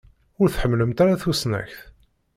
Ur tḥemmlemt ara tusnakt.